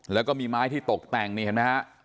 แล้วก็มีไม้ที่ตกแต่งนี่เห็นไหมฮะ